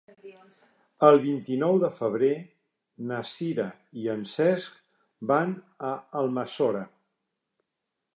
El vint-i-nou de febrer na Sira i en Cesc van a Almassora.